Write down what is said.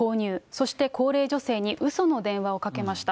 そして高齢女性にうその電話をかけました。